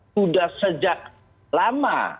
sudah sejak lama